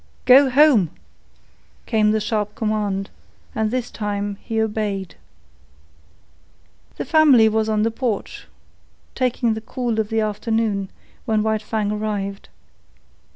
"Go home!" came the sharp command, and this time he obeyed. The family was on the porch, taking the cool of the afternoon, when White Fang arrived.